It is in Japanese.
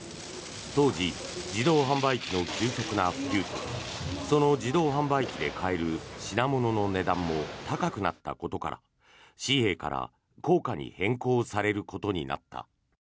当時、自動販売機の急速な普及とその自動販売機で買える品物の値段も高くなったことから紙幣から硬貨に変更されることになった。